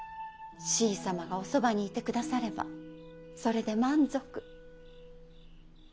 しい様がおそばにいてくださればそれで満足。